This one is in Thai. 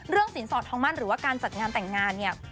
เรื่องสินสอดท้องมั่นหรือการจัดงานแต่งงานเนี่ย